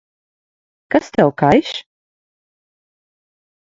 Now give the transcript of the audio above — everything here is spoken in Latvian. Kas tev kaiš?